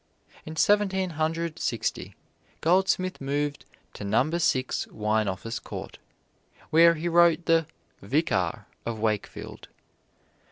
In Seventeen Hundred Sixty, Goldsmith moved to Number Six Wine Office Court, where he wrote the "Vicar of Wakefield."